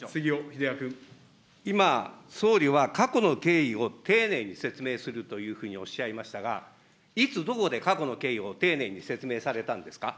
今、総理は過去の経緯を丁寧に説明するというふうにおっしゃいましたが、いつ、どこで過去の経緯を丁寧に説明されたんですか。